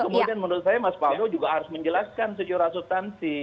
ini yang kemudian menurut saya mas faldo juga harus menjelaskan secara substansi